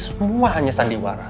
semua hanya sandiwara